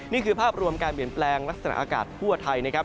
นี่คือภาพรวมการเปลี่ยนแปลงลักษณะอากาศทั่วไทยนะครับ